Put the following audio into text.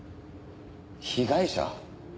被害者？